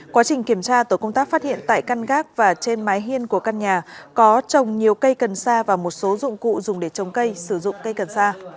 quá trình kiểm tra tổ công tác phát hiện tại căn gác và trên mái hiên của căn nhà có trồng nhiều cây cần sa và một số dụng cụ dùng để trồng cây sử dụng cây cần sa